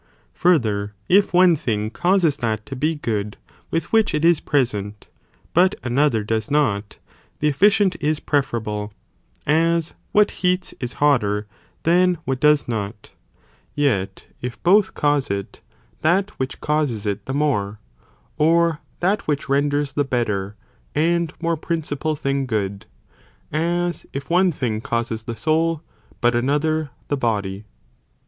Further, if one thing causes that to be good with which it is present, but another does not, the efficient is preferable, as what heats is hotter than what does not, yet if both cause it, that which causes it the more, or that which renders the better and more principal thing good, as if one thing causes the soul, but another the body.